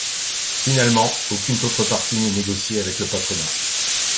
Finalement, aucune contrepartie n'est négociée avec le patronat.